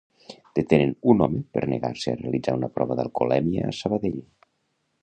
Detenen un home per negar-se a realitzar una prova d'alcoholèmia a Sabadell